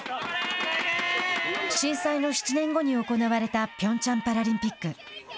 震災の７年後に行われたピョンチャンパラリンピック。